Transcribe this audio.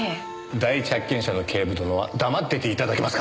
第一発見者の警部殿は黙ってて頂けますか？